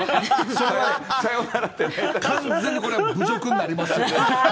完全にこれは侮辱になりますよ。